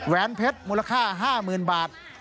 แวนเพชรมูลค่า๕๐๐๐บาท